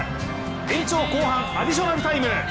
延長後半アディショナルタイム。